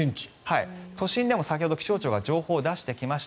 都心でも、先ほど気象庁が情報を出してきました。